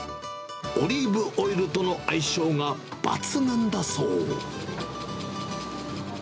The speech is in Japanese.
オリーブオイルとの相性が抜群だそう。